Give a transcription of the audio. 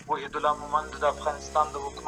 د ټو، پک جنګ کيدای سي اوږد سي